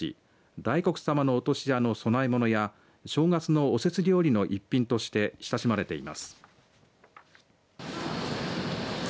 大黒様のお歳夜の供え物や正月のおせち料理の一品として親しまれています。